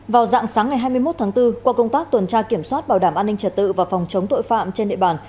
vào dạng sáng ngày hai mươi một tháng bốn qua công tác tuần tra kiểm soát bảo đảm an ninh trật tự và phòng chống tội phạm trên địa bàn